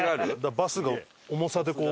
バスが重さでこう。